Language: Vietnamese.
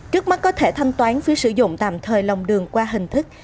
trước mắt có thể thanh toán phí sử dụng tạm thời lòng đường qua hình thức